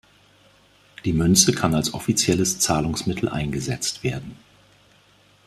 Die Münze kann als offizielles Zahlungsmittel eingesetzt werden.